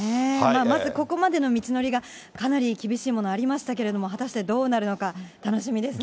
まずここまでの道のりがかなり厳しいものありましたけれども、果たしてどうなるのか、楽しみですね。